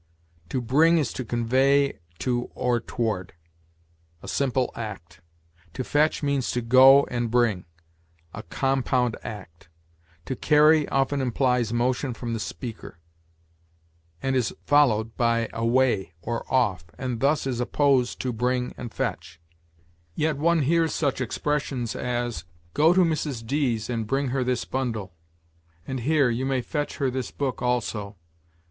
To bring is to convey to or toward a simple act; to fetch means to go and bring a compound act; to carry often implies motion from the speaker, and is followed by away or off, and thus is opposed to bring and fetch. Yet one hears such expressions as, "Go to Mrs. D.'s and bring her this bundle; and here, you may fetch her this book also."